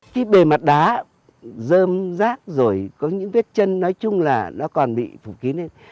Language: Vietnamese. cái bề mặt đá dơm rác rồi có những vết chân nói chung là nó còn bị phủ kín lên